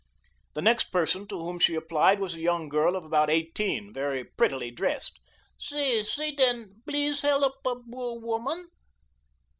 The next person to whom she applied was a young girl of about eighteen, very prettily dressed. "Say, say, den, blease hellup a boor womun."